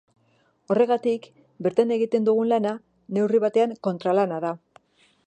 Horregatik bertan egiten dugun lana da, neurri batean, kontralana.